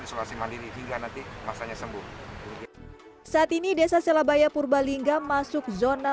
isolasi mandiri hingga nanti masanya sembuh saat ini desa selabaya purbalingga masuk zona